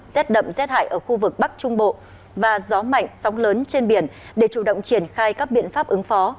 rét đậm rét hại ở khu vực bắc trung bộ và gió mạnh sóng lớn trên biển để chủ động triển khai các biện pháp ứng phó